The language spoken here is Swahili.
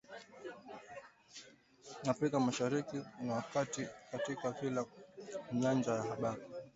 Afrika Mashariki na Kati katika kila nyanja ya habari